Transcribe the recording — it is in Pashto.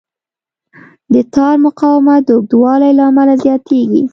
د تار مقاومت د اوږدوالي له امله زیاتېږي.